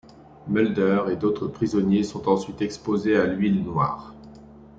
Mulder et d'autres prisonniers sont ensuite exposés à l'huile noire.